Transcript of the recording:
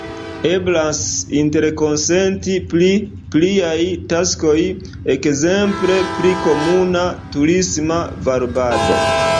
Eblas interkonsenti pri pliaj taskoj, ekzemple pri komuna turisma varbado.